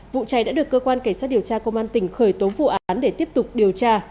vụ cháy đã được cơ quan cảnh sát điều tra công an tỉnh khởi tố vụ án để tiếp tục điều tra